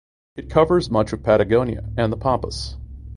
It covers much of Patagonia and the Pampas.